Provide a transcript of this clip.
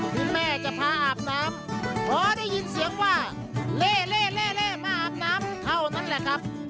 คุณแม่จะพาอาบน้ำเพราะได้ยินเสียงว่าเล่เล่เล่เล่มาอาบน้ำเท่านั้นแหละครับ